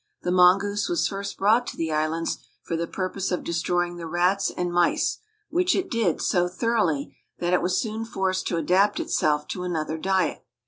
The mongoose was first brought to the islands for the purpose of destroying the rats and mice, which it did so thoroughly that it was soon forced to adapt itself to another diet.